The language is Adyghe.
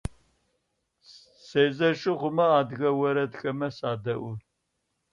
Сэзэщэ хъумэ адыгэ орэдхэмэ садэӏу.